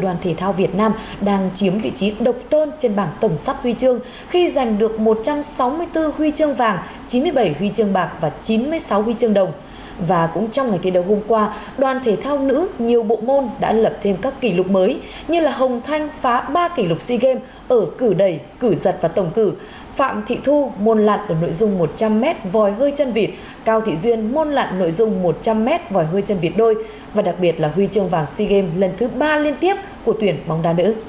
đoàn thể thao nữ nhiều bộ môn đã lập thêm các kỷ lục mới như là hồng thanh phá ba kỷ lục sea games ở cử đầy cử giật và tổng cử phạm thị thu môn lặn nội dung một trăm linh m vòi hơi chân vịt cao thị duyên môn lặn nội dung một trăm linh m vòi hơi chân vịt đôi và đặc biệt là huy trương vàng sea games lần thứ ba liên tiếp của tuyển bóng đa nữ